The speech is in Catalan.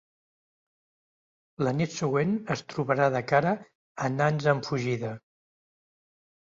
La nit següent es trobarà de cara a nans en fugida.